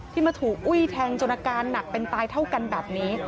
ที่มาถูกอุ้ยแทงจนอาการหนักเป็นตายเท่ากันแบบนี้